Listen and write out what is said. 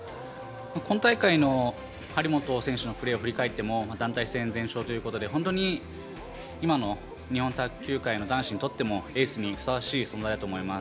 今大会の張本選手のプレーを振り返っても団体戦、全勝ということで今の日本卓球界の男子にとってもエースにふさわしい存在だと思います。